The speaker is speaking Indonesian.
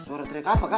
suara teriak apa kah